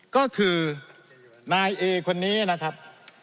ก็คือนายเอคนนี้นะครับ